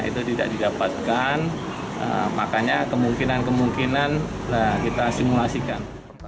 itu tidak didapatkan makanya kemungkinan kemungkinan kita simulasikan